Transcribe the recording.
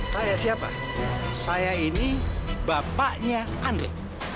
saya siapa saya ini bapaknya anda